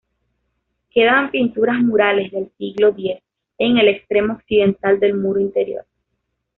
Quedan pinturas murales del siglo X en el extremo occidental del muro interior.